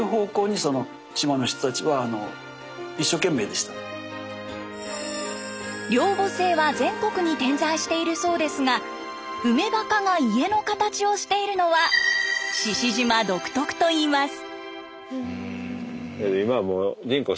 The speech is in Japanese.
木のしつらえっていうか両墓制は全国に点在しているそうですが埋め墓が家の形をしているのは志々島独特といいます。